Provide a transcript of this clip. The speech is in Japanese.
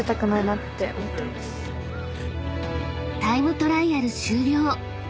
［タイムトライアル終了］